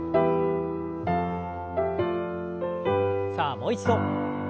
さあもう一度。